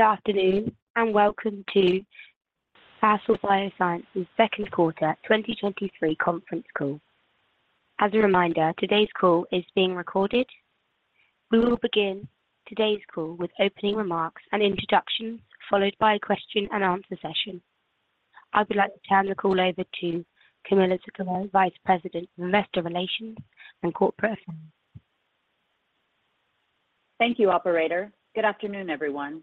Good afternoon, and welcome to Castle Biosciences Second Quarter 2023 conference call. As a reminder, today's call is being recorded. We will begin today's call with opening remarks and introductions, followed by a question-and-answer session. I would like to turn the call over to Camilla Zucko, Vice President, Investor Relations and Corporate. Thank you, operator. Good afternoon, everyone.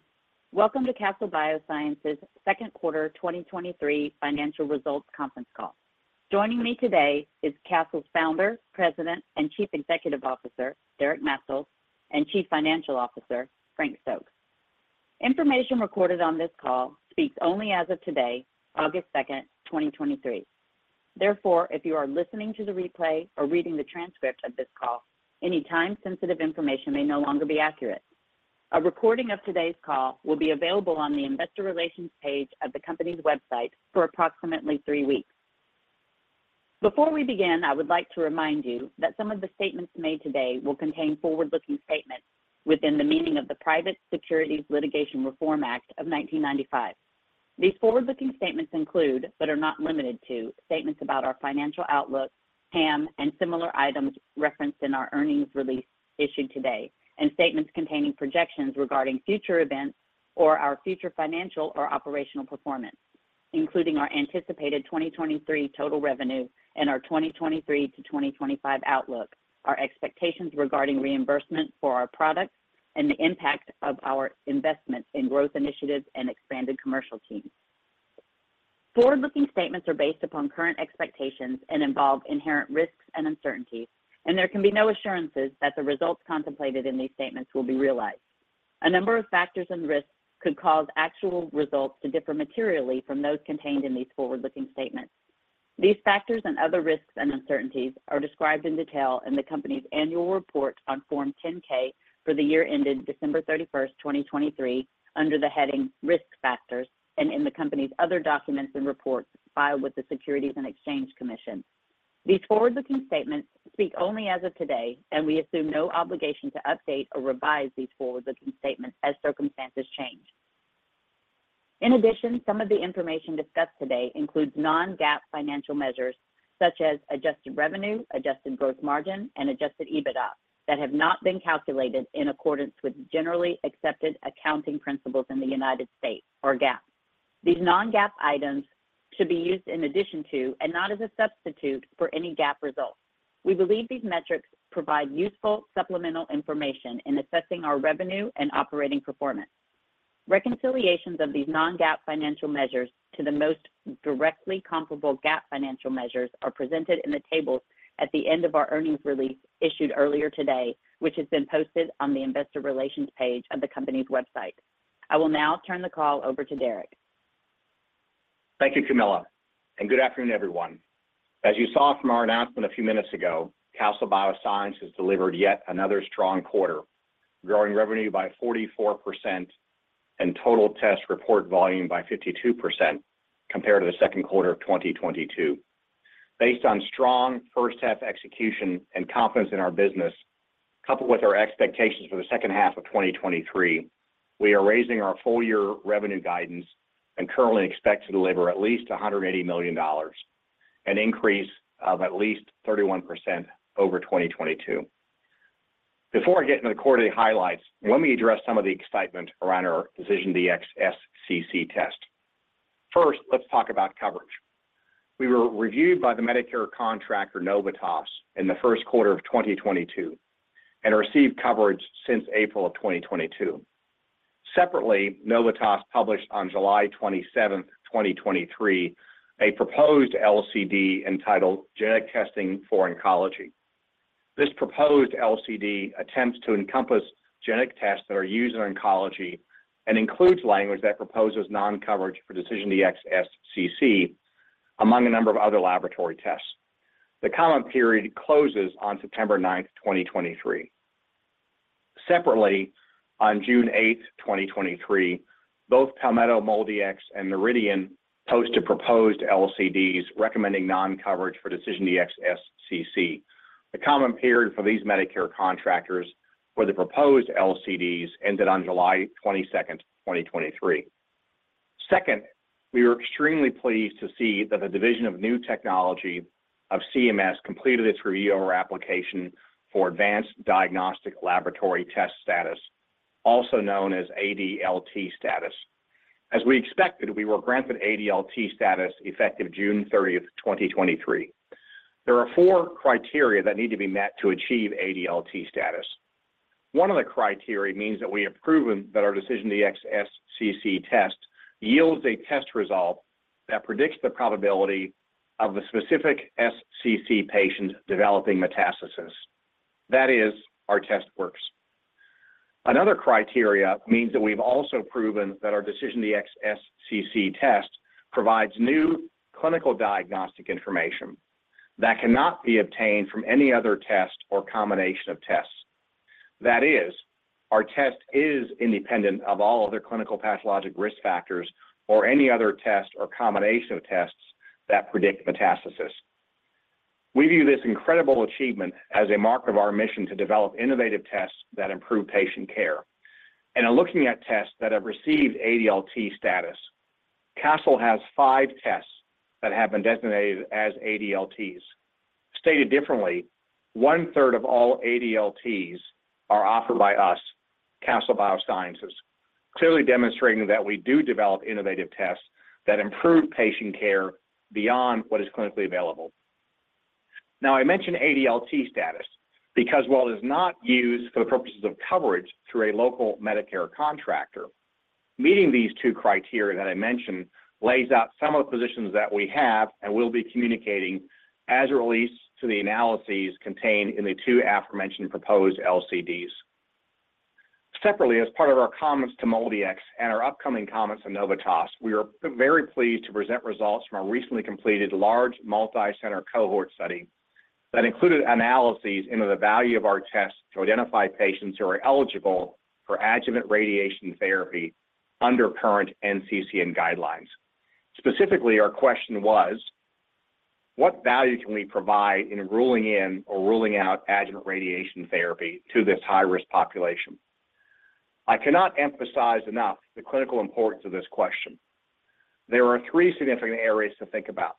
Welcome to Castle Biosciences' Second Quarter 2023 financial results conference call. Joining me today is Castle's Founder, President, and Chief Executive Officer, Derek Maetzold, and Chief Financial Officer, Frank Stokes. Information recorded on this call speaks only as of today, August 2, 2023. Therefore, if you are listening to the replay or reading the transcript of this call, any time-sensitive information may no longer be accurate. A recording of today's call will be available on the investor relations page of the company's website for approximately three weeks. Before we begin, I would like to remind you that some of the statements made today will contain forward-looking statements within the meaning of the Private Securities Litigation Reform Act of 1995. These forward-looking statements include, but are not limited to, statements about our financial outlook, TAM, and similar items referenced in our earnings release issued today, and statements containing projections regarding future events or our future financial or operational performance, including our anticipated 2023 total revenue and our 2023 to 2025 outlook, our expectations regarding reimbursement for our products, and the impact of our investments in growth initiatives and expanded commercial teams. Forward-looking statements are based upon current expectations and involve inherent risks and uncertainties, and there can be no assurances that the results contemplated in these statements will be realized. A number of factors and risks could cause actual results to differ materially from those contained in these forward-looking statements. These factors and other risks and uncertainties are described in detail in the company's Annual Report on Form 10-K for the year ended December 31, 2023, under the heading Risk Factors and in the company's other documents and reports filed with the Securities and Exchange Commission. These forward-looking statements speak only as of today, and we assume no obligation to update or revise these forward-looking statements as circumstances change. In addition, some of the information discussed today includes non-GAAP financial measures such as adjusted revenue, adjusted gross margin, and adjusted EBITDA that have not been calculated in accordance with generally accepted accounting principles in the United States or GAAP. These non-GAAP items should be used in addition to and not as a substitute for any GAAP results. We believe these metrics provide useful supplemental information in assessing our revenue and operating performance. Reconciliations of these non-GAAP financial measures to the most directly comparable GAAP financial measures are presented in the tables at the end of our earnings release issued earlier today, which has been posted on the investor relations page of the company's website. I will now turn the call over to Derek. Thank you, Camilla. Good afternoon, everyone. As you saw from our announcement a few minutes ago, Castle Biosciences has delivered yet another strong quarter, growing revenue by 44% and total test report volume by 52% compared to the second quarter of 2022. Based on strong first-half execution and confidence in our business, coupled with our expectations for the second half of 2023, we are raising our full-year revenue guidance and currently expect to deliver at least $180 million, an increase of at least 31% over 2022. Before I get into the quarterly highlights, let me address some of the excitement around our DecisionDx-SCC test. First, let's talk about coverage. We were reviewed by the Medicare contractor, Novitas, in the first quarter of 2022 and received coverage since April of 2022. Separately, Novitas published on July 27, 2023, a proposed LCD entitled Genetic Testing for Oncology. This proposed LCD attempts to encompass genetic tests that are used in oncology and includes language that proposes non-coverage for DecisionDx-SCC, among a number of other laboratory tests. The comment period closes on September 9, 2023. Separately, on June 8, 2023, both Palmetto MolDX and Noridian posted proposed LCDs recommending non-coverage for DecisionDx-SCC. The comment period for these Medicare contractors for the proposed LCDs ended on July 22, 2023. Second, we were extremely pleased to see that the Division of New Technology of CMS completed its review of our application for Advanced Diagnostic Laboratory Test status, also known as ADLT status. As we expected, we were granted ADLT status effective June 30, 2023. There are 4 criteria that need to be met to achieve ADLT status. One of the criteria means that we have proven that our DecisionDx-SCC test yields a test result that predicts the probability of a specific SCC patient developing metastasis. That is, our test works. Another criteria means that we've also proven that our DecisionDx-SCC test provides new clinical diagnostic information that cannot be obtained from any other test or combination of tests. That is, our test is independent of all other clinical pathologic risk factors or any other test or combination of tests that predict metastasis. We view this incredible achievement as a mark of our mission to develop innovative tests that improve patient care. In looking at tests that have received ADLT status, Castle has five tests that have been designated as ADLTs. Stated differently, one-third of all ADLTs are offered by us, Castle Biosciences, clearly demonstrating that we do develop innovative tests that improve patient care beyond what is clinically available. Now, I mentioned ADLT status because while it is not used for the purposes of coverage through a local Medicare contractor, meeting these two criteria that I mentioned lays out some of the positions that we have and will be communicating as a release to the analyses contained in the two aforementioned proposed LCDs. Separately, as part of our comments to MolDX and our upcoming comments on Novitas, we are very pleased to present results from our recently completed large multi-center cohort study that included analyses into the value of our tests to identify patients who are eligible for adjuvant radiation therapy under current NCCN guidelines. Specifically, our question was: What value can we provide in ruling in or ruling out adjuvant radiation therapy to this high-risk population? I cannot emphasize enough the clinical importance of this question. There are three significant areas to think about.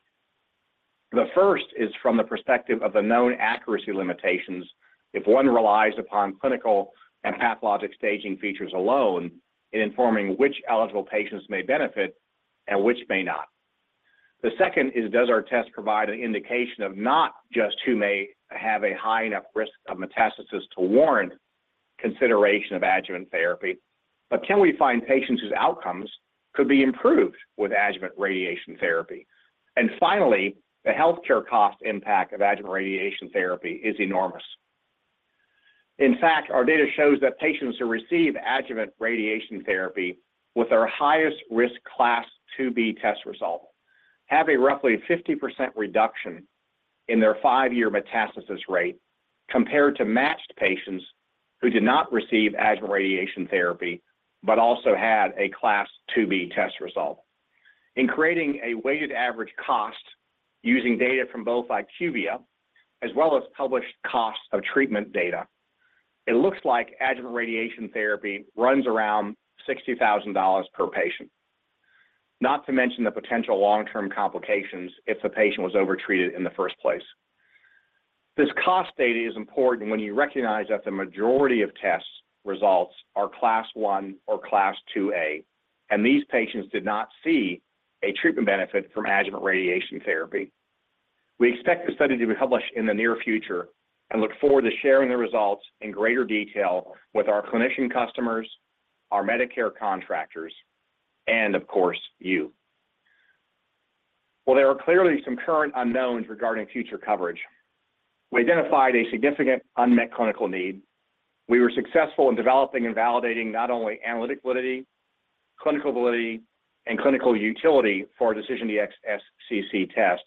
The first is from the perspective of the known accuracy limitations if one relies upon clinical and pathologic staging features alone in informing which eligible patients may benefit and which may not. The second is, does our test provide an indication of not just who may have a high enough risk of metastasis to warrant consideration of adjuvant therapy, but can we find patients whose outcomes could be improved with adjuvant radiation therapy? Finally, the healthcare cost impact of adjuvant radiation therapy is enormous. In fact, our data shows that patients who receive adjuvant radiation therapy with our highest risk Class 2B test result have a roughly 50% reduction in their five-year metastasis rate compared to matched patients who did not receive adjuvant radiation therapy, but also had a Class 2B test result. In creating a weighted average cost using data from both IQVIA, as well as published costs of treatment data, it looks like adjuvant radiation therapy runs around $60,000 per patient. Not to mention the potential long-term complications if the patient was overtreated in the first place. This cost data is important when you recognize that the majority of test results are Class 1 or Class 2A, and these patients did not see a treatment benefit from adjuvant radiation therapy. We expect the study to be published in the near future and look forward to sharing the results in greater detail with our clinician customers, our Medicare contractors, and of course, you. While there are clearly some current unknowns regarding future coverage, we identified a significant unmet clinical need. We were successful in developing and validating not only analytical validity, clinical validity, and clinical utility for DecisionDx-SCC test,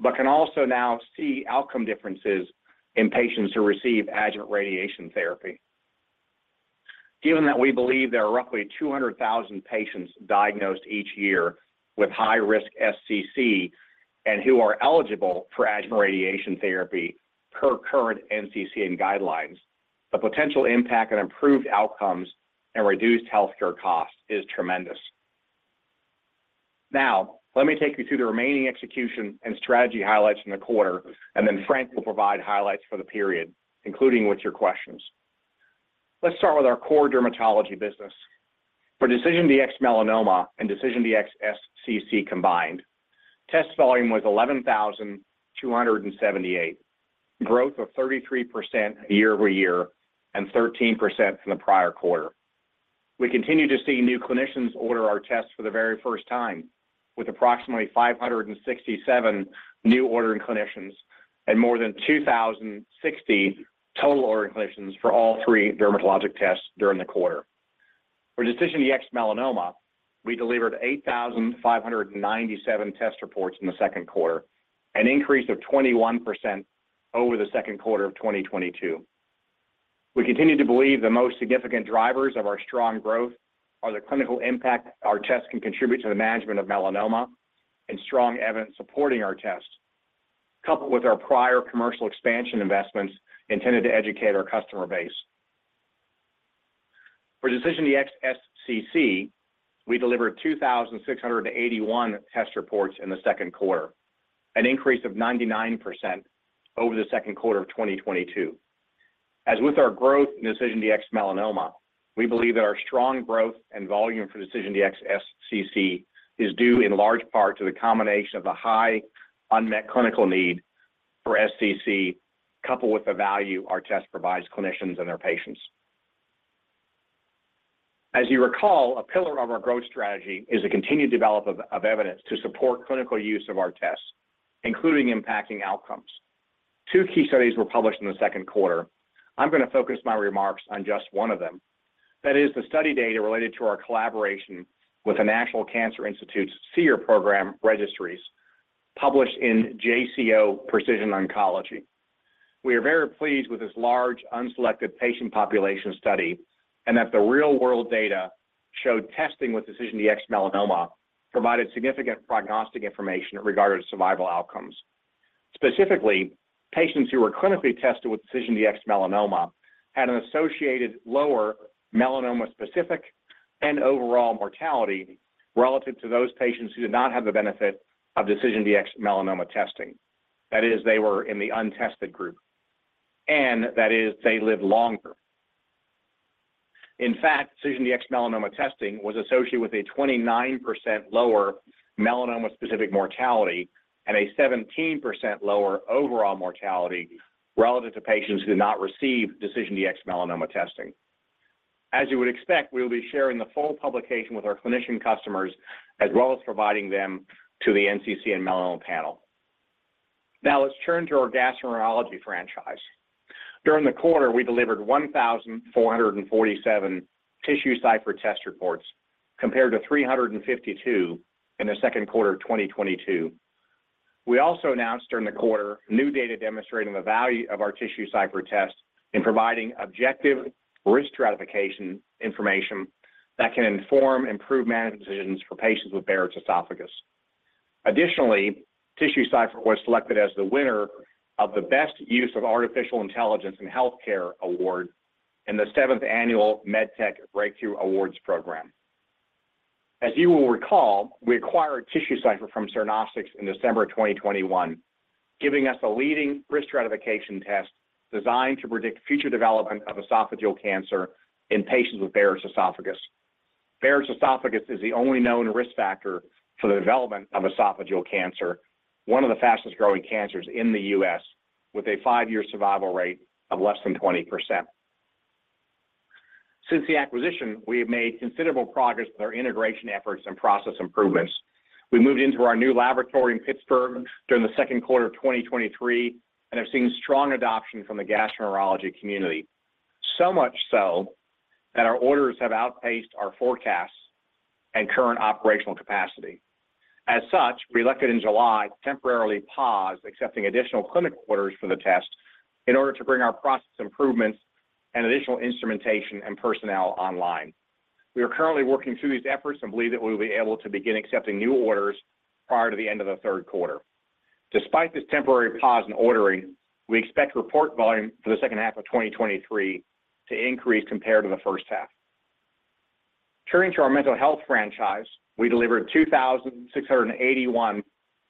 but can also now see outcome differences in patients who receive adjuvant radiation therapy. Given that we believe there are roughly 200,000 patients diagnosed each year with high-risk SCC and who are eligible for adjuvant radiation therapy per current NCCN guidelines, the potential impact on improved outcomes and reduced healthcare costs is tremendous. Let me take you through the remaining execution and strategy highlights in the quarter, then Frank will provide highlights for the period, including with your questions. Let's start with our core dermatology business. For DecisionDx-Melanoma and DecisionDx-SCC combined, test volume was 11,278, growth of 33% year-over-year and 13% from the prior quarter. We continue to see new clinicians order our tests for the very first time, with approximately 567 new ordering clinicians and more than 2,060 total ordering clinicians for all three dermatologic tests during the quarter. For DecisionDx-Melanoma, we delivered 8,597 test reports in the second quarter, an increase of 21% over the second quarter of 2022. We continue to believe the most significant drivers of our strong growth are the clinical impact our tests can contribute to the management of melanoma and strong evidence supporting our tests, coupled with our prior commercial expansion investments intended to educate our customer base. For DecisionDx-SCC, we delivered 2,681 test reports in the second quarter, an increase of 99% over the second quarter of 2022. As with our growth in DecisionDx-Melanoma, we believe that our strong growth and volume for DecisionDx-SCC is due in large part to the combination of the high unmet clinical need for SCC, coupled with the value our test provides clinicians and their patients. As you recall, a pillar of our growth strategy is the continued development of evidence to support clinical use of our tests, including impacting outcomes. Two key studies were published in the second quarter. I'm going to focus my remarks on just one of them. That is the study data related to our collaboration with the National Cancer Institute's SEER program registries, published in JCO Precision Oncology. We are very pleased with this large, unselected patient population study and that the real-world data showed testing with DecisionDx-Melanoma provided significant prognostic information regarding survival outcomes. Specifically, patients who were clinically tested with DecisionDx-Melanoma had an associated lower melanoma-specific and overall mortality relative to those patients who did not have the benefit of DecisionDx-Melanoma testing. That is, they were in the untested group, and that is they lived longer. In fact, DecisionDx Melanoma testing was associated with a 29% lower melanoma-specific mortality and a 17% lower overall mortality relative to patients who did not receive DecisionDx Melanoma testing. As you would expect, we will be sharing the full publication with our clinician customers, as well as providing them to the NCCN Melanoma Panel. Let's turn to our gastroenterology franchise. During the quarter, we delivered 1,447 TissueCypher test reports, compared to 352 in the second quarter of 2022. We also announced during the quarter, new data demonstrating the value of our TissueCypher test in providing objective risk stratification information that can inform improved management decisions for patients with Barrett's esophagus. TissueCypher was selected as the winner of the Best Use of Artificial Intelligence in Healthcare award in the seventh annual MedTech Breakthrough Awards program. As you will recall, we acquired TissueCypher from Cernostics in December of 2021, giving us a leading risk stratification test designed to predict future development of esophageal cancer in patients with Barrett's esophagus. Barrett's esophagus is the only known risk factor for the development of esophageal cancer, one of the fastest-growing cancers in the U.S., with a five-year survival rate of less than 20%. Since the acquisition, we have made considerable progress with our integration efforts and process improvements. We moved into our new laboratory in Pittsburgh during the second quarter of 2023 and have seen strong adoption from the gastroenterology community. Much so that our orders have outpaced our forecasts and current operational capacity. As such, we elected in July to temporarily pause accepting additional clinical orders for the test in order to bring our process improvements and additional instrumentation and personnel online. We are currently working through these efforts and believe that we will be able to begin accepting new orders prior to the end of the third quarter. Despite this temporary pause in ordering, we expect report volume for the second half of 2023 to increase compared to the first half. Turning to our mental health franchise, we delivered 2,681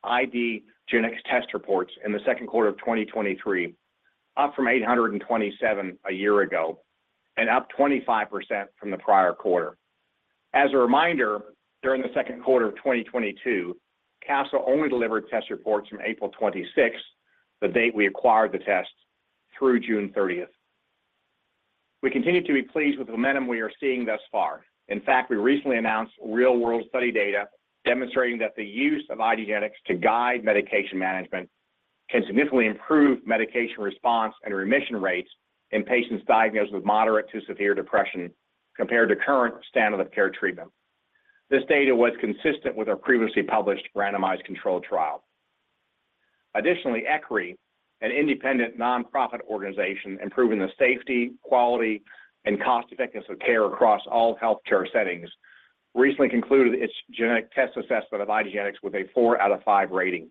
IDgenetix test reports in the second quarter of 2023, up from 827 a year ago and up 25% from the prior quarter. As a reminder, during the second quarter of 2022, Castle only delivered test reports from April 26, the date we acquired the test, through June 30th. We continue to be pleased with the momentum we are seeing thus far. In fact, we recently announced real-world study data demonstrating that the use of IDgenetix to guide medication management can significantly improve medication response and remission rates in patients diagnosed with moderate to severe depression compared to current standard of care treatment. This data was consistent with our previously published randomized controlled trial. Additionally, ECRI, an independent nonprofit organization improving the safety, quality, and cost-effectiveness of care across all healthcare settings, recently concluded its genetic test assessment of IDgenetix with a four out of five rating.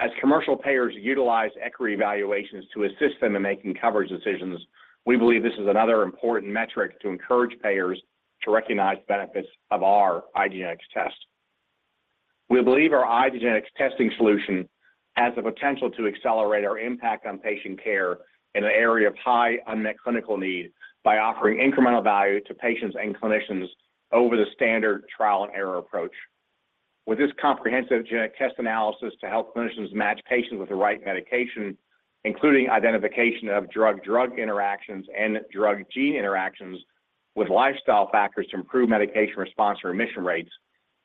As commercial payers utilize ECRI evaluations to assist them in making coverage decisions, we believe this is another important metric to encourage payers to recognize benefits of our IDgenetix test. We believe our IDgenetix testing solution has the potential to accelerate our impact on patient care in an area of high unmet clinical need by offering incremental value to patients and clinicians over the standard trial-and-error approach. With this comprehensive genetic test analysis to help clinicians match patients with the right medication, including identification of drug-drug interactions and drug-gene interactions with lifestyle factors to improve medication response and remission rates,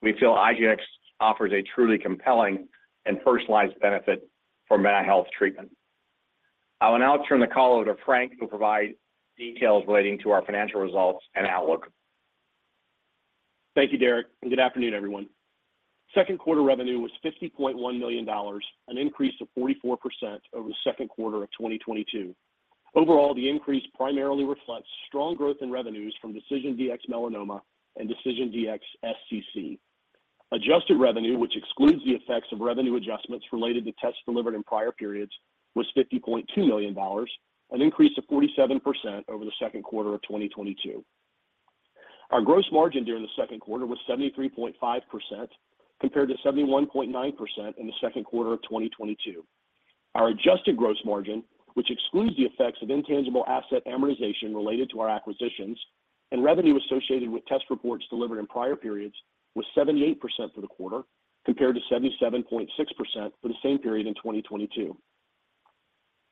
we feel IDgenetix offers a truly compelling and personalized benefit for mental health treatment. I will now turn the call over to Frank, who will provide details relating to our financial results and outlook. Thank you, Derek, and good afternoon, everyone. Second Quarter revenue was $50.1 million, an increase of 44% over the Second Quarter of 2022. Overall, the increase primarily reflects strong growth in revenues from DecisionDx-Melanoma and DecisionDx-SCC. adjusted revenue, which excludes the effects of revenue adjustments related to tests delivered in prior periods, was $50.2 million, an increase of 47% over the Second Quarter of 2022. Our gross margin during the Second Quarter was 73.5%, compared to 71.9% in the Second Quarter of 2022. Our adjusted gross margin, which excludes the effects of intangible asset amortization related to our acquisitions and revenue associated with test reports delivered in prior periods, was 78% for the quarter, compared to 77.6% for the same period in 2022.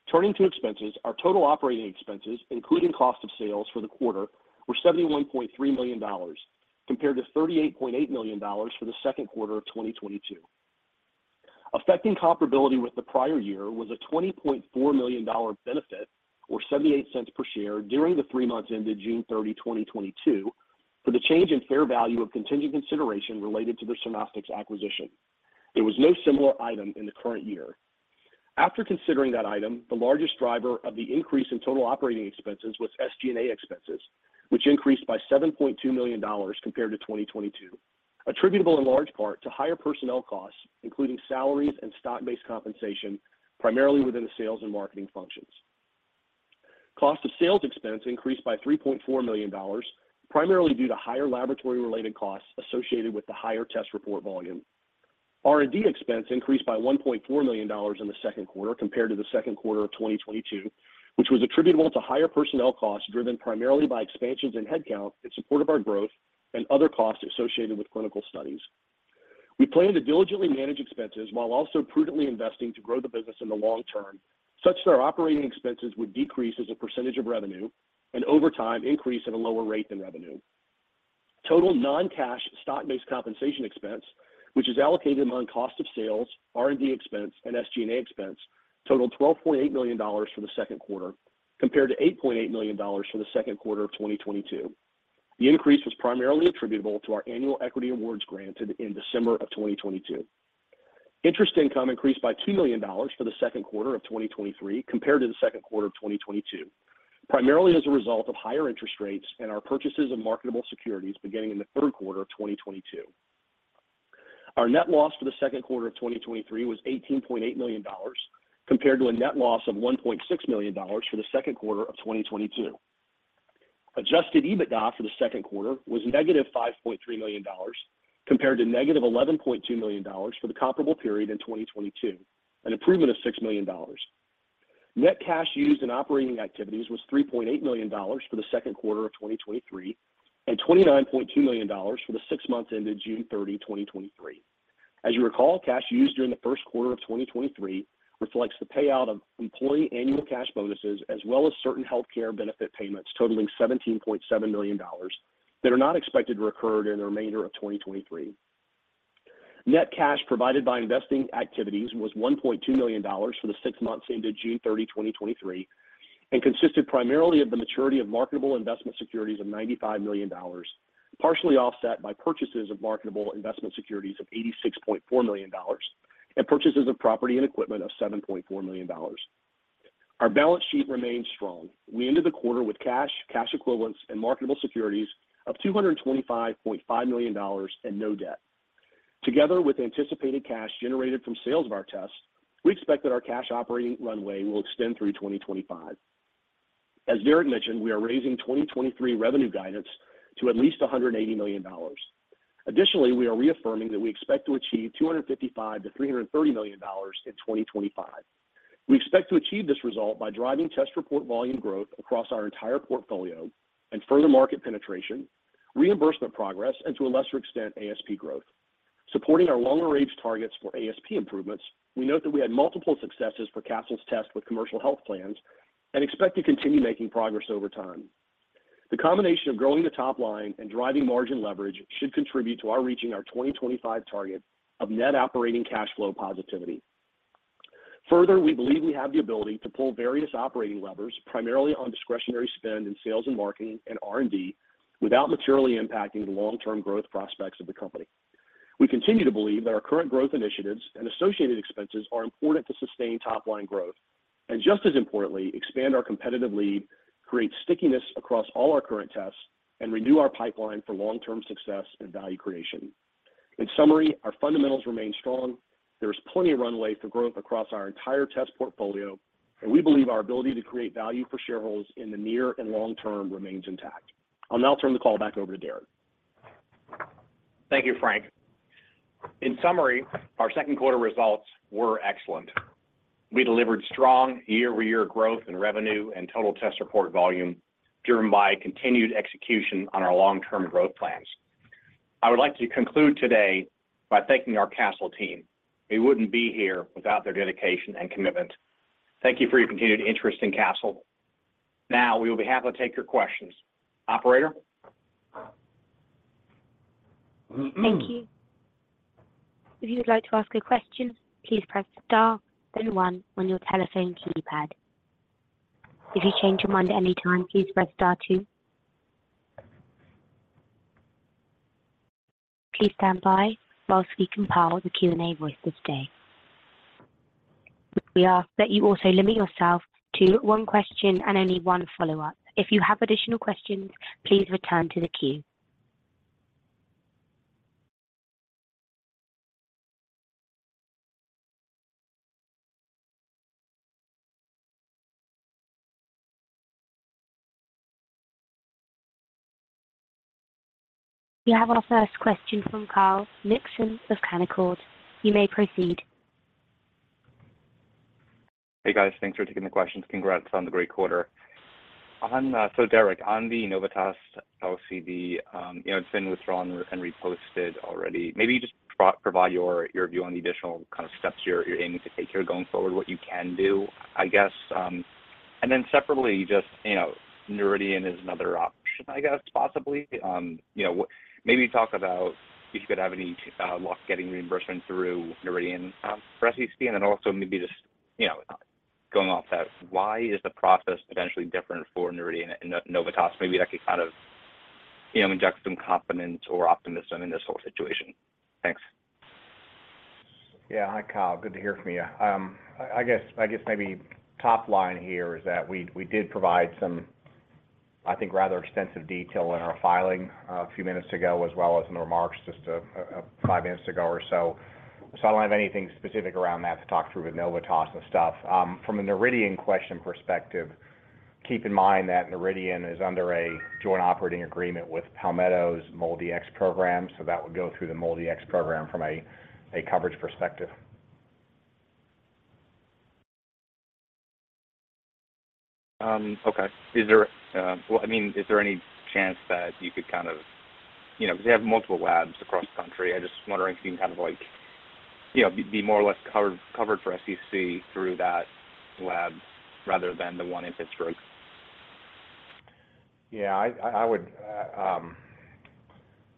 Turning to expenses, our total operating expenses, including cost of sales for the quarter, were $71.3 million, compared to $38.8 million for the second quarter of 2022. Affecting comparability with the prior year was a $20.4 million benefit-... $0.78 per share during the 3 months ended June 30, 2022, for the change in fair value of contingent consideration related to the Sonostics acquisition. There was no similar item in the current year. After considering that item, the largest driver of the increase in total operating expenses was SG&A expenses, which increased by $7.2 million compared to 2022, attributable in large part to higher personnel costs, including salaries and stock-based compensation, primarily within the sales and marketing functions. Cost of sales expense increased by $3.4 million, primarily due to higher laboratory-related costs associated with the higher test report volume. R&D expense increased by $1.4 million in the second quarter compared to the second quarter of 2022, which was attributable to higher personnel costs, driven primarily by expansions in headcount in support of our growth and other costs associated with clinical studies. We plan to diligently manage expenses while also prudently investing to grow the business in the long term, such that our operating expenses would decrease as a % of revenue and over time, increase at a lower rate than revenue. Total non-cash stock-based compensation expense, which is allocated among cost of sales, R&D expense, and SG&A expense, totaled $12.8 million for the second quarter, compared to $8.8 million for the second quarter of 2022. The increase was primarily attributable to our annual equity awards granted in December of 2022. Interest income increased by $2 million for the second quarter of 2023, compared to the second quarter of 2022, primarily as a result of higher interest rates and our purchases of marketable securities beginning in the third quarter of 2022. Our net loss for the second quarter of 2023 was $18.8 million, compared to a net loss of $1.6 million for the second quarter of 2022. Adjusted EBITDA for the second quarter was -$5.3 million, compared to -$11.2 million for the comparable period in 2022, an improvement of $6 million. Net cash used in operating activities was $3.8 million for the second quarter of 2023, and $29.2 million for the 6 months ended June 30, 2023. As you recall, cash used during the first quarter of 2023 reflects the payout of employee annual cash bonuses, as well as certain healthcare benefit payments totaling $17.7 million that are not expected to recur in the remainder of 2023. Net cash provided by investing activities was $1.2 million for the six months ended June 30, 2023, consisted primarily of the maturity of marketable investment securities of $95 million, partially offset by purchases of marketable investment securities of $86.4 million and purchases of property and equipment of $7.4 million. Our balance sheet remains strong. We ended the quarter with cash, cash equivalents, and marketable securities of $225.5 million and no debt. Together with anticipated cash generated from sales of our tests, we expect that our cash operating runway will extend through 2025. As Derek mentioned, we are raising 2023 revenue guidance to at least $180 million. We are reaffirming that we expect to achieve $255 million-$330 million in 2025. We expect to achieve this result by driving test report volume growth across our entire portfolio and further market penetration, reimbursement progress, and to a lesser extent, ASP growth. Supporting our longer-range targets for ASP improvements, we note that we had multiple successes for Castle's test with commercial health plans and expect to continue making progress over time. The combination of growing the top line and driving margin leverage should contribute to our reaching our 2025 target of net operating cash flow positivity. We believe we have the ability to pull various operating levers, primarily on discretionary spend in sales and marketing and R&D, without materially impacting the long-term growth prospects of the company. We continue to believe that our current growth initiatives and associated expenses are important to sustain top-line growth, and just as importantly, expand our competitive lead, create stickiness across all our current tests, and renew our pipeline for long-term success and value creation. In summary, our fundamentals remain strong. There is plenty of runway for growth across our entire test portfolio, and we believe our ability to create value for shareholders in the near and long term remains intact. I'll now turn the call back over to Derek. Thank you, Frank. In summary, our second quarter results were excellent. We delivered strong year-over-year growth in revenue and total test report volume, driven by continued execution on our long-term growth plans. I would like to conclude today by thanking our Castle team. We wouldn't be here without their dedication and commitment. Thank you for your continued interest in Castle. Now we will be happy to take your questions. Operator? Thank you. If you would like to ask a question, please press star, then one on your telephone keypad. If you change your mind at any time, please press star two. Please stand by while we compile the Q&A voice this day. We ask that you also limit yourself to one question and only one follow-up. If you have additional questions, please return to the queue. We have our first question from Kyle Mikson of Canaccord. You may proceed. Hey, guys. Thanks for taking the questions. Congrats on the great quarter. Derek, on the Novitas LCB, you know, it's been withdrawn and reposted already. Maybe just provide your, your view on the additional kind of steps you're, you're aiming to take here going forward, what you can do, I guess? Separately, just, you know, Noridian is another option, I guess, possibly. You know, Maybe talk about if you could have any luck getting reimbursement through Noridian for CCD? Also maybe just, you know, going off that, why is the process potentially different for Noridian and Novitas? Maybe that could kind of you know, inject some confidence or optimism in this whole situation? Thanks. Yeah. Hi, Kyle. Good to hear from you. I, I guess, I guess maybe top line here is that we, we did provide some, I think, rather extensive detail in our filing a few minutes ago, as well as in the remarks, just 5 minutes ago or so. I don't have anything specific around that to talk through with Novitas and stuff. From a Noridian question perspective, keep in mind that Noridian is under a joint operating agreement with Palmetto's MolDX program, so that would go through the MolDX program from a, a coverage perspective. Okay. Well, I mean, is there any chance that you could kind of, you know, they have multiple labs across the country? I'm just wondering if you can kind of like, you know, be, be more or less covered, covered for SCC through that lab rather than the one in Pittsburgh? Yeah, I, I, I would,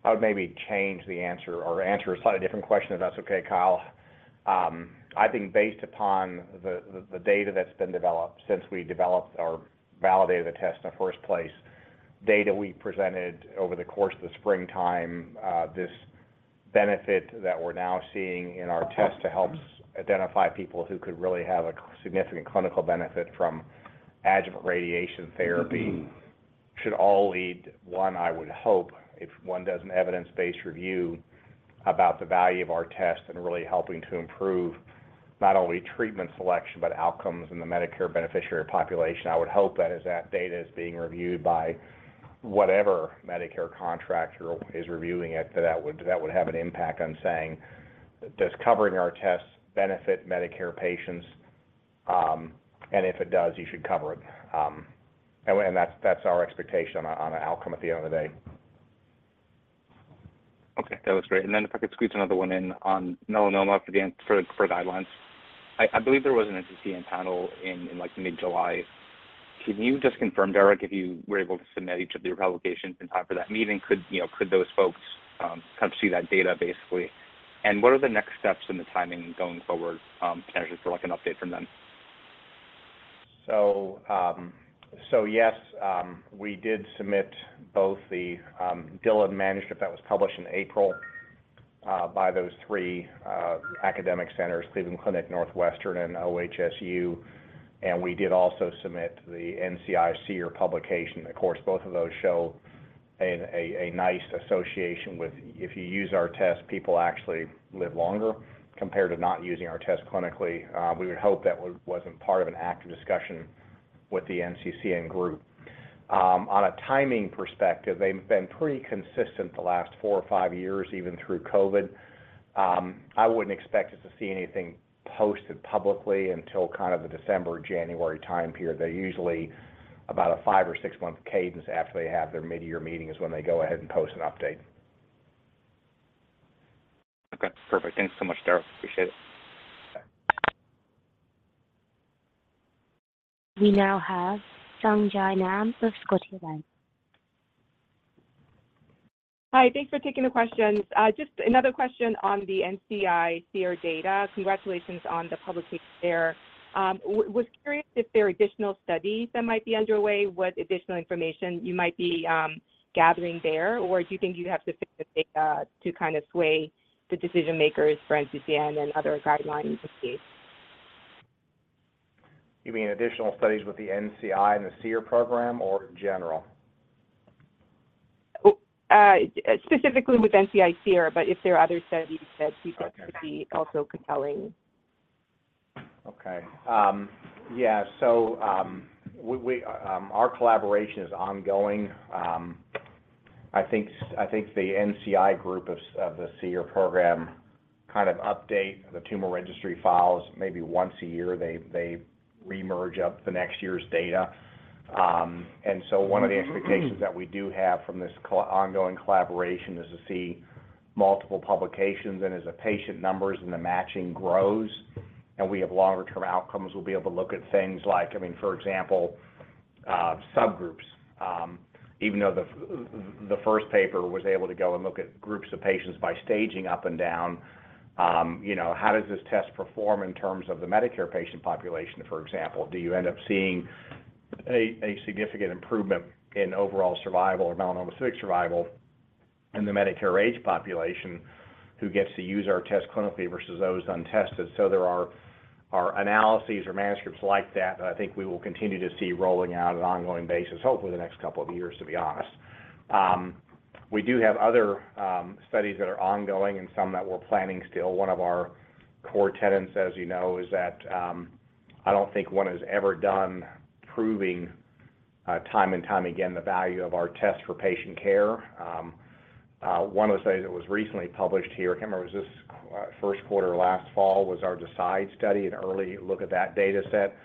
I would maybe change the answer or answer a slightly different question, if that's okay, Kyle. I think based upon the data that's been developed since we developed or validated the test in the first place, data we presented over the course of the springtime, this benefit that we're now seeing in our test to help identify people who could really have a significant clinical benefit from adjuvant radiation therapy, should all lead one, I would hope, if one does an evidence-based review about the value of our test in really helping to improve not only treatment selection, but outcomes in the Medicare beneficiary population. I would hope that as that data is being reviewed by whatever Medicare contractor is reviewing it, that would, that would have an impact on saying, "Does covering our tests benefit Medicare patients? If it does, you should cover it." And that's, that's our expectation on a, on a outcome at the end of the day. Okay, that was great. Then if I could squeeze another one in on melanoma for the, for, for guidelines. I, I believe there was an NCCN panel in, in, like, mid-July. Can you just confirm, Derek, if you were able to submit each of your publications in time for that meeting? Could, you know, could those folks come see that data, basically? What are the next steps in the timing going forward, potentially for, like, an update from them? Yes, we did submit both the Dylan manuscript that was published in April by those three academic centers, Cleveland Clinic, Northwestern, and OHSU, and we did also submit the NCI SEER publication. Of course, both of those show a nice association with if you use our test, people actually live longer compared to not using our test clinically. We would hope that wasn't part of an active discussion with the NCCN group. On a timing perspective, they've been pretty consistent the last four or five years, even through COVID. I wouldn't expect us to see anything posted publicly until kind of the December or January time period. They're usually about a five or six-month cadence after they have their mid-year meeting, is when they go ahead and post an update. Okay, perfect. Thanks so much, Derek. Appreciate it. We now have Sung Ji Nam of Scotiabank. Hi, thanks for taking the questions. just another question on the NCI SEER data. Congratulations on the publication there. was curious if there are additional studies that might be underway, what additional information you might be gathering there, or do you think you have to fix the data to kind of sway the decision makers for NCCN and other guidelines to see? You mean additional studies with the NCI and the SEER program, or in general? Specifically with NCI SEER, but if there are other studies that. Okay you said could be also compelling. Our collaboration is ongoing. I think, I think the NCI group of the SEER program kind of update the tumor registry files maybe once a year. They, they re-merge up the next year's data. And so one of the expectations that we do have from this ongoing collaboration is to see multiple publications, and as the patient numbers and the matching grows, and we have longer-term outcomes, we'll be able to look at things like, I mean, for example, subgroups. Even though the, the first paper was able to go and look at groups of patients by staging up and down, you know, how does this test perform in terms of the Medicare patient population, for example? Do you end up seeing a significant improvement in overall survival or melanoma specific survival in the Medicare age population, who gets to use our test clinically versus those untested? There are, are analyses or manuscripts like that, that I think we will continue to see rolling out on an ongoing basis, hopefully in the next couple of years, to be honest. We do have other studies that are ongoing and some that we're planning still. One of our core tenants, as you know, is that I don't think one is ever done, proving time and time again, the value of our test for patient care. One of the studies that was recently published here, I can't remember, was this first quarter, last fall, was our Decide study, an early look at that data set.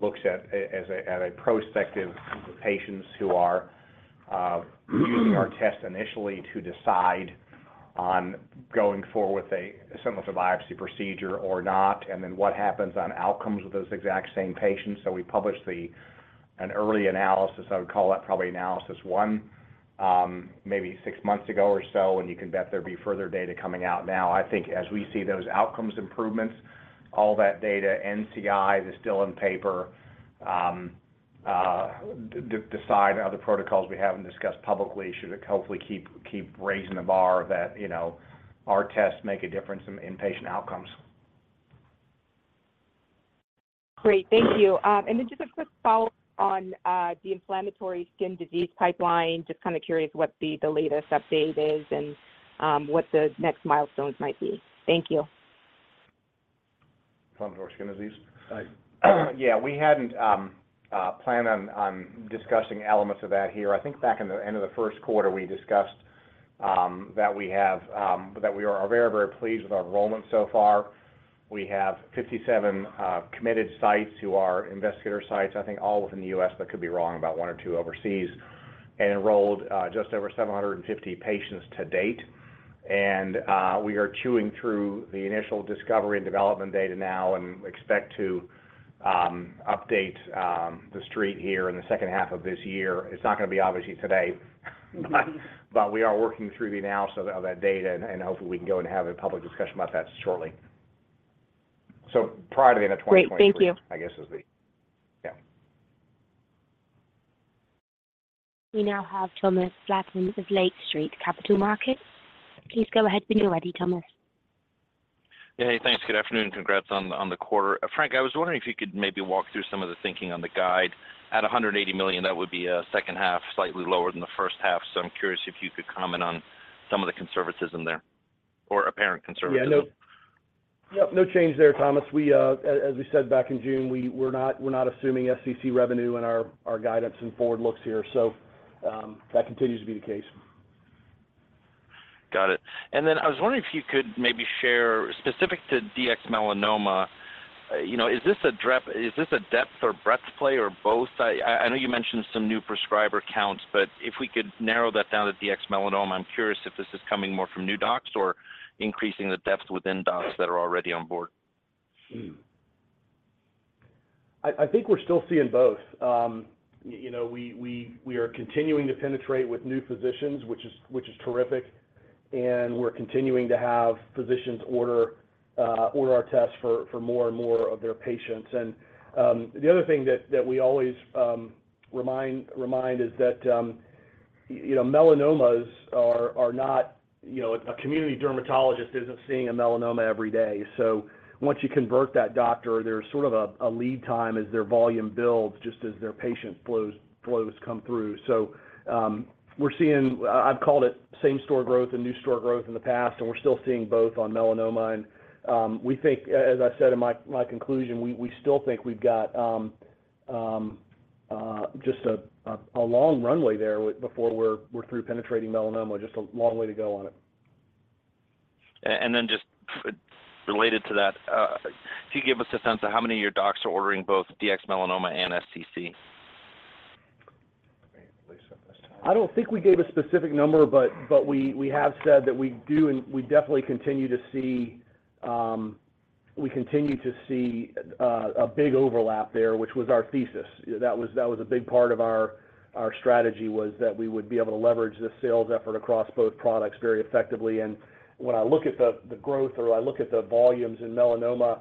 Looks at, as a, at a prospective patients who are using our test initially to decide on going forward with a similar biopsy procedure or not, and then what happens on outcomes with those exact same patients. We published an early analysis, I would call that probably analysis one, maybe 6 months ago or so, and you can bet there'll be further data coming out now. I think as we see those outcomes improvements, all that data, NCI, still in paper. Decide other protocols we haven't discussed publicly should hopefully keep, keep raising the bar that, you know, our tests make a difference in, in patient outcomes. Great. Thank you. Just a quick follow on the inflammatory skin disease pipeline. Just kind of curious what the, the latest update is and what the next milestones might be. Thank you. Inflammatory skin disease? Right. Yeah, we hadn't planned on discussing elements of that here. I think back in the end of the first quarter, we discussed that we are very, very pleased with our enrollment so far. We have 57 committed sites who are investigator sites, I think all within the U.S., but could be wrong about 1 or 2 overseas, and enrolled just over 750 patients to date. We are chewing through the initial discovery and development data now and expect to update the street here in the second half of this year. It's not gonna be obviously today, but we are working through the analysis of that data, and hopefully, we can go and have a public discussion about that shortly. Prior to the end of 2023. Great. Thank you. I guess, is the... Yeah. We now have Thomas Flaten with Lake Street Capital Markets. Please go ahead when you're ready, Thomas. Yeah. Hey, thanks. Good afternoon, and congrats on, on the quarter. Frank, I was wondering if you could maybe walk through some of the thinking on the guide. At $180 million, that would be a second half, slightly lower than the first half, so I'm curious if you could comment on some of the conservatism there, or apparent conservatism. Yeah, no. Yep, no change there, Thomas. We, as we said back in June, we're not, we're not assuming SCC revenue in our, our guidance and forward looks here. That continues to be the case. Got it. Then I was wondering if you could maybe share, specific to Dx Melanoma, you know, is this a depth or breadth play, or both? I know you mentioned some new prescriber counts, but if we could narrow that down to Dx Melanoma, I'm curious if this is coming more from new docs or increasing the depth within docs that are already on board. Hmm. I think we're still seeing both. You know, we are continuing to penetrate with new physicians, which is, which is terrific, and we're continuing to have physicians order our tests for more and more of their patients. The other thing that we always remind is that you know, melanomas are not, you know... A community dermatologist isn't seeing a melanoma every day. Once you convert that doctor, there's sort of a lead time as their volume builds, just as their patient flows come through. We're seeing, I've called it same store growth and new store growth in the past, and we're still seeing both on melanoma. We think, as I said in my, my conclusion, we, we still think we've got, just a long runway there before we're, we're through penetrating melanoma, just a long way to go on it. Then just related to that, could you give us a sense of how many of your docs are ordering both Dx Melanoma and SCC? I think Lisa, this time. I don't think we gave a specific number, but we have said that we do, and we definitely continue to see. We continue to see a big overlap there, which was our thesis. That was a big part of our strategy, was that we would be able to leverage the sales effort across both products very effectively. When I look at the growth or I look at the volumes in melanoma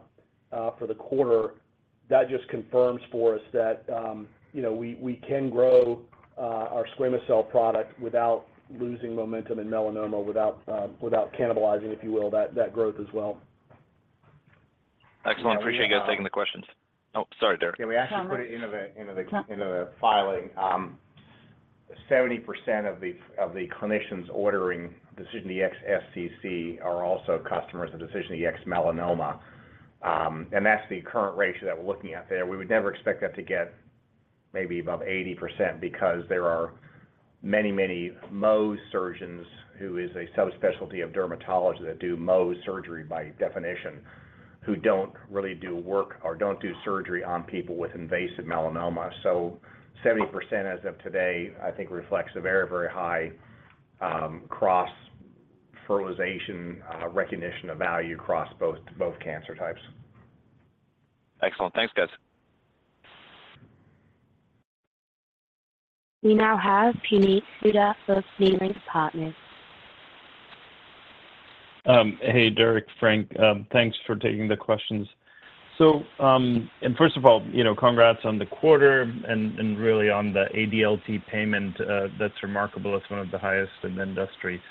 for the quarter, that just confirms for us that, you know, we can grow our squamous cell product without losing momentum in melanoma, without without cannibalizing, if you will, that growth as well. Excellent. Yeah, we. Appreciate you guys taking the questions. Oh, sorry, Derek. Yeah, we actually. Thomas... put it into the. Yeah... into the filing. 70% of the, of the clinicians ordering DecisionDx-SCC are also customers of DecisionDx-Melanoma, That's the current ratio that we're looking at there. We would never expect that to get maybe above 80% because there are many, many Mohs surgeons, who is a subspecialty of dermatology, that do Mohs surgery by definition, who don't really do work or don't do surgery on people with invasive melanoma. 70%, as of today, I think, reflects a very, very high, cross-fertilization, recognition of value across both, both cancer types. Excellent. Thanks, guys. We now have Puneet Souda of B. Riley Partners. Hey, Derek, Frank. Thanks for taking the questions. First of all, you know, congrats on the quarter and really on the ADLT payment. That's remarkable. It's one of the highest in the industry.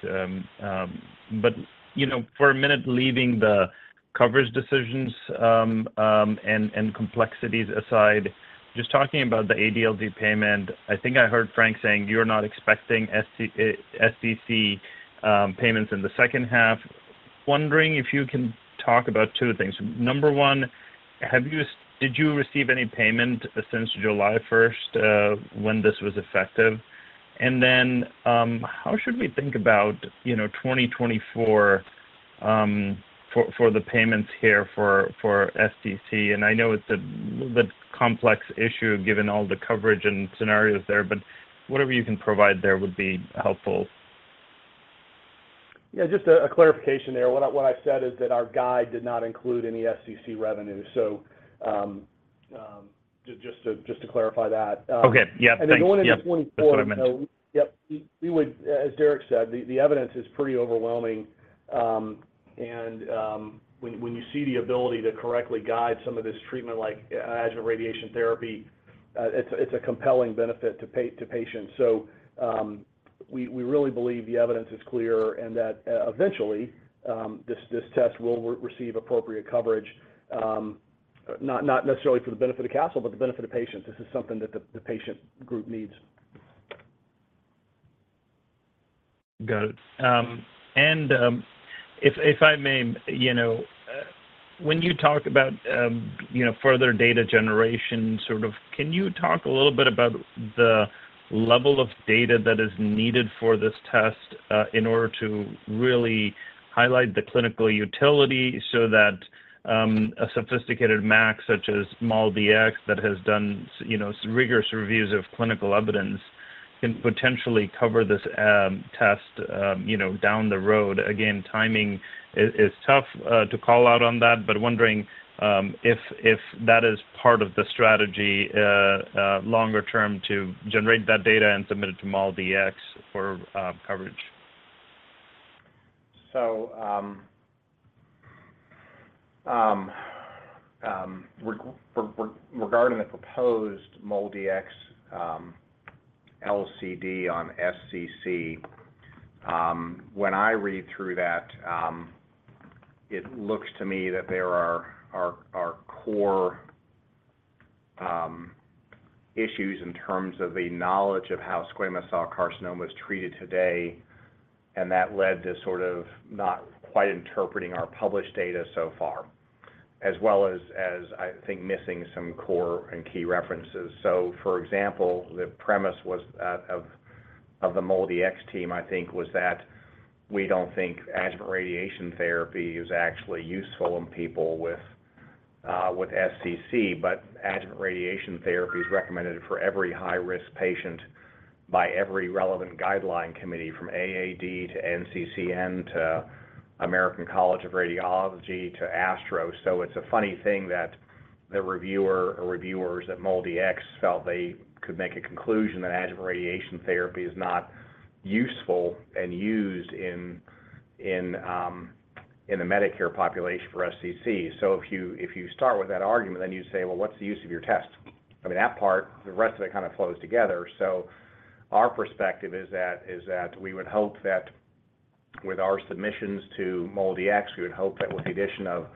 You know, for a minute, leaving the coverage decisions and complexities aside, just talking about the ADLT payment, I think I heard Frank saying you're not expecting SCC payments in the second half. Wondering if you can talk about two things. Number one, have you did you receive any payment since July first, when this was effective? Then, how should we think about, you know, 2024 for the payments here for SCC? I know it's the complex issue, given all the coverage and scenarios there, but whatever you can provide there would be helpful. Yeah, just a, a clarification there. What I, what I said is that our guide did not include any SCC revenue. Just to, just to clarify that. Okay. Yeah, thanks. Going into 2024. Yep, that's what I meant. Yep, we, we would, as Derek said, the, the evidence is pretty overwhelming. When, when you see the ability to correctly guide some of this treatment, like, as with radiation therapy, it's, it's a compelling benefit to patients. We, we really believe the evidence is clear, and that, eventually, this, this test will receive appropriate coverage, not, not necessarily for the benefit of Castle, but the benefit of patients. This is something that the, the patient group needs. Got it. If, if I may, you know, when you talk about, you know, further data generation, sort of, can you talk a little bit about the level of data that is needed for this test in order to really highlight the clinical utility so that a sophisticated MAC, such as MolDX, that has done you know, rigorous reviews of clinical evidence, can potentially cover this test, you know, down the road? Again, timing is tough to call out on that, but wondering, if, if that is part of the strategy, longer term to generate that data and submit it to MolDX for coverage? Regarding the proposed MolDX LCD on SCC, when I read through that, it looks to me that there are core issues in terms of the knowledge of how squamous cell carcinoma is treated today, and that led to sort of not quite interpreting our published data so far, as well as, I think, missing some core and key references. For example, the premise was of the MolDX team, I think, was that we don't think adjuvant radiation therapy is actually useful in people with SCC. Adjuvant radiation therapy is recommended for every high-risk patient by every relevant guideline committee, from AAD to NCCN to American College of Radiology to ASTRO. It's a funny thing that the reviewer or reviewers at MolDX felt they could make a conclusion that adjuvant radiation therapy is not useful and used in, in the Medicare population for SCC. If you, if you start with that argument, then you say, "Well, what's the use of your test?" I mean, that part, the rest of it kind of flows together. Our perspective is that, is that we would hope that with our submissions to MolDX, we would hope that with the addition of,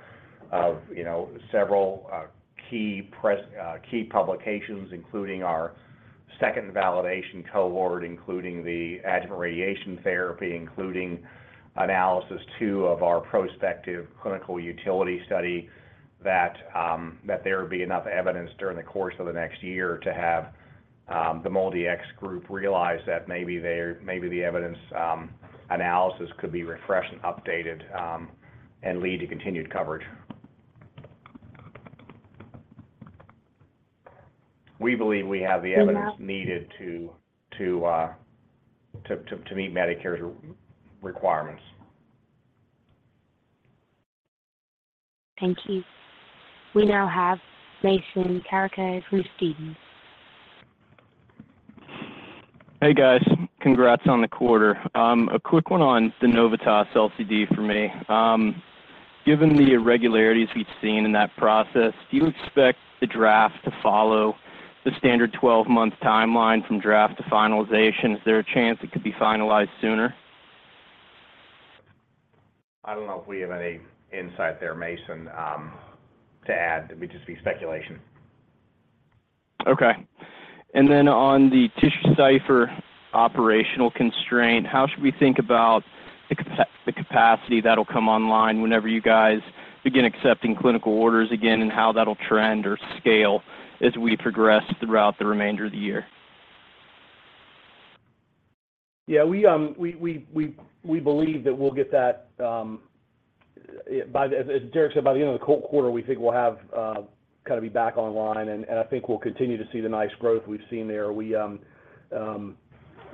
of, you know, several key press... Key publications, including our second validation cohort, including the adjuvant radiation therapy, including analysis 2 of our prospective clinical utility study, that there would be enough evidence during the course of the next year to have the MolDX group realize that the evidence, analysis could be refreshed and updated, and lead to continued coverage. We believe we have the evidence- We now- needed to meet Medicare's requirements. Thank you. We now have Mason Carrico from Stephens. Hey, guys. Congrats on the quarter. A quick 1 on the Novitas LCD for me. Given the irregularities we've seen in that process, do you expect the draft to follow the standard 12-month timeline from draft to finalization? Is there a chance it could be finalized sooner? I don't know if we have any insight there, Mason, to add. It would just be speculation. Okay. Then on the TissueCypher operational constraint, how should we think about the capacity that'll come online whenever you guys begin accepting clinical orders again, and how that'll trend or scale as we progress throughout the remainder of the year? Yeah, we believe that we'll get that by the... As Derek said, by the end of the quarter, we think we'll have kind of be back online, and I think we'll continue to see the nice growth we've seen there.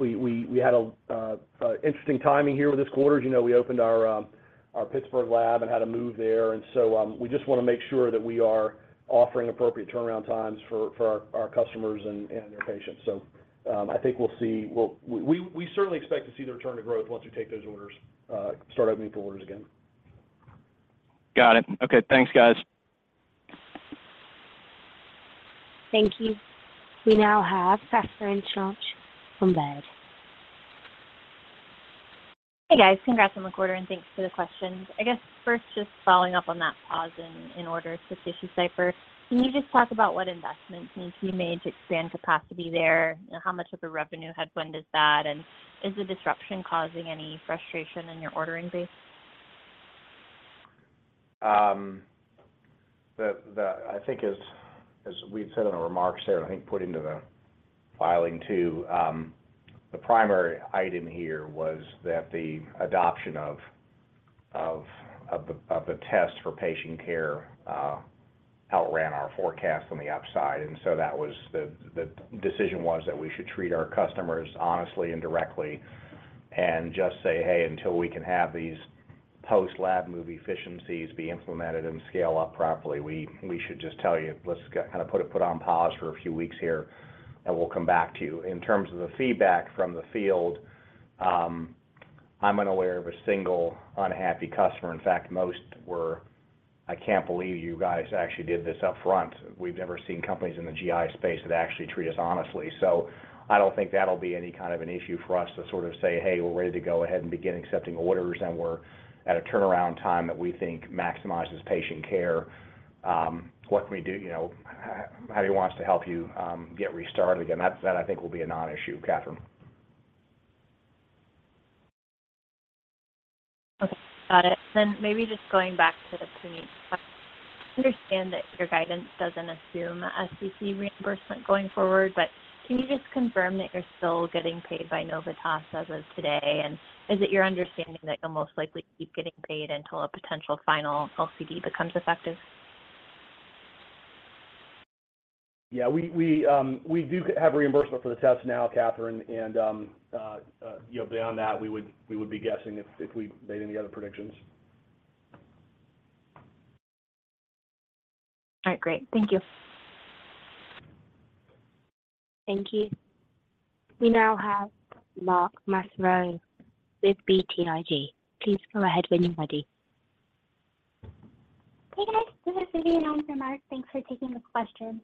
We had a interesting timing here with this quarter. As you know, we opened our Pittsburgh lab and had a move there. We just wanna make sure that we are offering appropriate turnaround times for our customers and their patients. I think we'll see. We certainly expect to see the return of growth once we take those orders, start opening full orders again. Got it. Okay, thanks, guys. Thank you. We now have Catherine Schulte from Baird. Hey, guys. Congrats on the quarter, and thanks for the questions. I guess first, just following up on that pause in order to TissueCypher, can you just talk about what investments need to be made to expand capacity there? How much of a revenue headwind is that, and is the disruption causing any frustration in your ordering base? The, the... I think as, as we've said in our remarks there, and I think put into the filing too, the primary item here was that the adoption of, of, of the, of the test for patient care, outran our forecast on the upside. So that was the, the decision was that we should treat our customers honestly and directly, and just say, "Hey, until we can have these post-lab move efficiencies be implemented and scale up properly, we, we should just tell you, let's kind of put it, put on pause for a few weeks here, and we'll come back to you." In terms of the feedback from the field, I'm unaware of a single unhappy customer. In fact, most were, "I can't believe you guys actually did this up front. We've never seen companies in the GI space that actually treat us honestly." So I don't think that'll be any kind of an issue for us to sort of say, "Hey, we're ready to go ahead and begin accepting orders, and we're at a turnaround time that we think maximizes patient care. What can we do? You know, how do you want us to help you get restarted again?" That, that I think will be a non-issue, Catherine. Okay, got it. Maybe just going back to the point. I understand that your guidance doesn't assume a CC reimbursement going forward, can you just confirm that you're still getting paid by Novitas as of today? Is it your understanding that you'll most likely keep getting paid until a potential final LCD becomes effective? Yeah, we, we, we do have reimbursement for the test now, Catherine, and, you know, beyond that, we would, we would be guessing if, if we made any other predictions. All right, great. Thank you. Thank you. We now have Mark Massaro with BTIG. Please go ahead when you're ready. Hey, guys, this is Vivian on for Mark. Thanks for taking this question.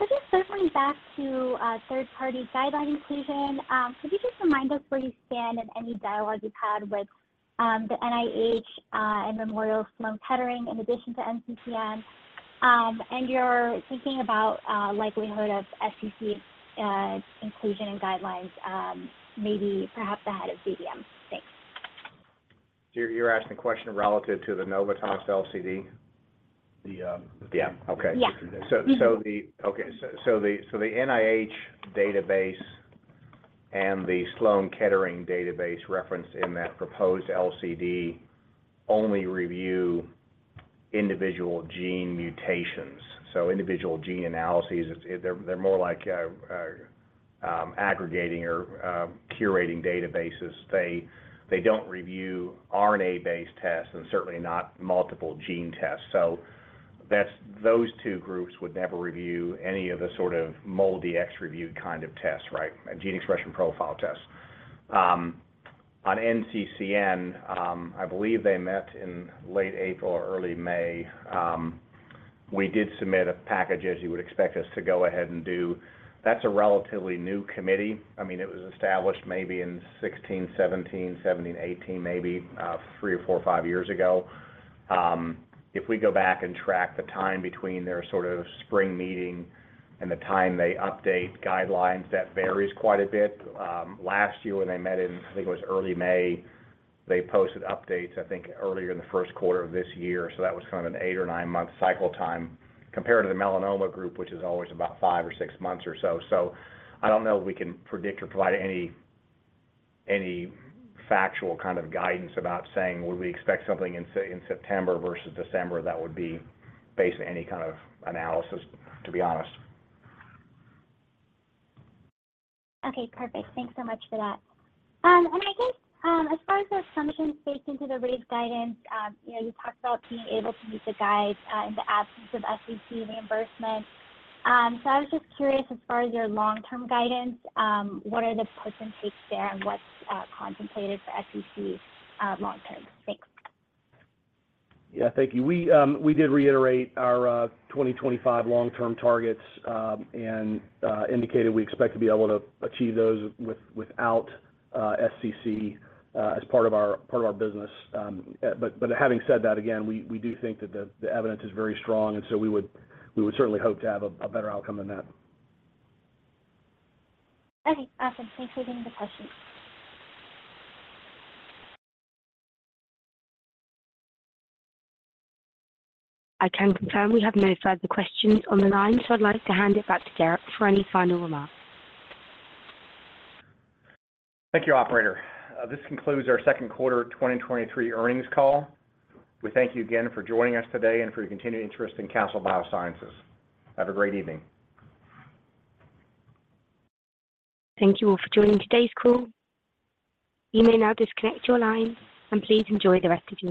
Just circling back to third-party guideline inclusion, could you just remind us where you stand and any dialogue you've had with the NIH and Memorial Sloan Kettering, in addition to NCCN, and your thinking about likelihood of SCC inclusion and guidelines, maybe perhaps the head of CBM? Thanks. You're asking a question relative to the Novitas LCD? Yeah. Okay. Yeah. The NIH database and the Sloan Kettering database referenced in that proposed LCD only review individual gene mutations, so individual gene analyses. They're, they're more like aggregating or curating databases. They, they don't review RNA-based tests and certainly not multiple gene tests. That's those two groups would never review any of the sort of MolDX-reviewed kind of tests, right? A gene expression profile test. On NCCN, I believe they met in late April or early May. We did submit a package, as you would expect us to go ahead and do. That's a relatively new committee. I mean, it was established maybe in 2016, 2017, 2017, 2018, maybe, three or four or five years ago. If we go back and track the time between their sort of spring meeting and the time they update guidelines, that varies quite a bit. Last year, when they met in, I think it was early May, they posted updates, I think, earlier in the first quarter of this year. That was kind of an eight or nine-month cycle time compared to the melanoma group, which is always about five or six months or so. I don't know if we can predict or provide any, any factual kind of guidance about saying, would we expect something in September versus December? That would be based on any kind of analysis, to be honest. Okay, perfect. Thanks so much for that. I guess, as far as the assumptions baked into the raised guidance, you know, you talked about being able to meet the guide, in the absence of SCC reimbursement. I was just curious, as far as your long-term guidance, what are the push and takes there, and what's contemplated for SCC, long term? Thanks. Yeah, thank you. We, we did reiterate our 2025 long-term targets, and indicated we expect to be able to achieve those without SCC as part of our business. But having said that, again, we, we do think that the, the evidence is very strong, and so we would, we would certainly hope to have a, a better outcome than that. Okay, awesome. Thanks for taking the question. I can confirm we have no further questions on the line, so I'd like to hand it back to Derek for any final remarks. Thank you, operator. This concludes our second quarter 2023 earnings call. We thank you again for joining us today and for your continued interest in Castle Biosciences. Have a great evening. Thank you all for joining today's call. You may now disconnect your line, and please enjoy the rest of your day.